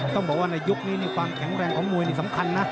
ต้องบอกว่าในยุคนี้ความแข็งแรงของมวยนี่สำคัญนะ